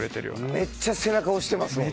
めっちゃ背中押してますもんね。